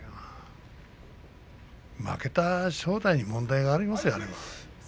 負けた正代に問題がありますよ。